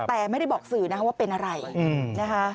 แต่ไม่ได้บอกสื่อนะคะว่าเป็นอะไรนะคะ